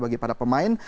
bagi para pemain